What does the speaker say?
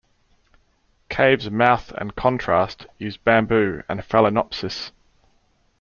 cave's mouth" and "contrast" used bamboo and phalaenopsis.